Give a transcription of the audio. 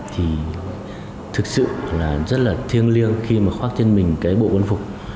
thì thực sự là rất là thiêng liêng khi mà khoác trên mình cái bộ quân phục